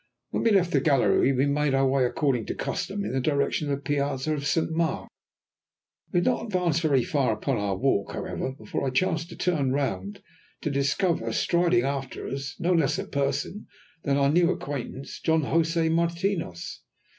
When we left the gallery, we made our way, according to custom, in the direction of the piazza of Saint Mark. We had not advanced very far upon our walk, however, before I chanced to turn round, to discover, striding after us, no less a person than our new acquaintance, Don Josè Martinos.